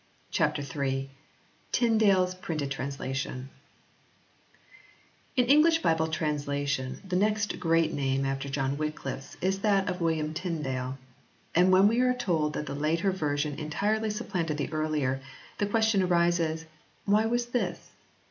CHAPTER III TYNDALE S PRINTED TRANSLATION English Bible translation the next great name after John Wycliffe s is that of William Tyndale. And when we are told that the later version entirely supplanted the earlier, the question arises Why was this?